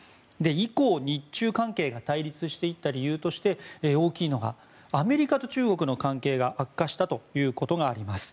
以降、日中関係が対立していった理由として大きいのが、アメリカと中国の関係が悪化したことがあります。